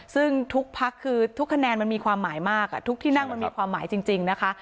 ซึ่งทุกพักคือทุกคะแนนมันมีความหมายมากทุกที่นั่งมันมีความหมายจริงนะคะ